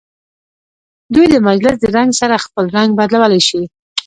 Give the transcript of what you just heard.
دوی د مجلس د رنګ سره خپل رنګ بدلولی شي.